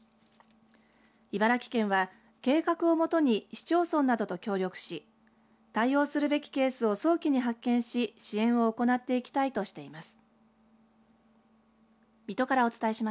茨城県は計画をもとに市町村などと協力し対応するべきケースを早期に発見し支援を行っていきたいとしています。